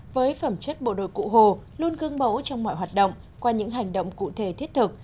với phẩm chất bộ đội cụ hồ luôn gương mẫu trong mọi hoạt động qua những hành động cụ thể thiết thực